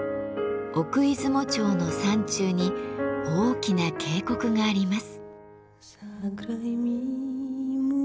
奥出雲町の山中に大きな渓谷があります。